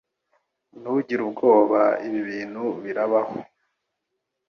Ntugire ubwoba Ibi bintu birabaho